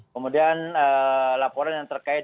kemudian laporan yang terkait